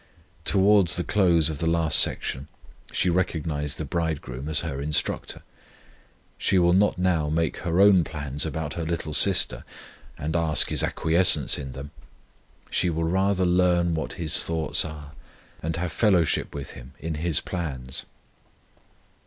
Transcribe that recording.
Towards the close of the last section she recognized the Bridegroom as her Instructor. She will not now make her own plans about her little sister, and ask His acquiescence in them; she will rather learn what his thoughts are, and have fellowship with Him in His plans.